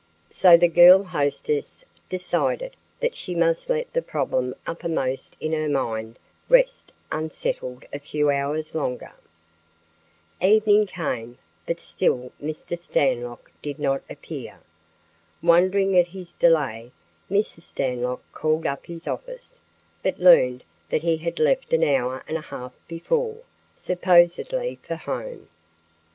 So the girl hostess decided that she must let the problem uppermost in her mind rest unsettled a few hours longer. Evening came, but still Mr. Stanlock did not appear. Wondering at his delay, Mrs. Stanlock called up his office, but learned that he had left an hour and a half before, supposedly for home.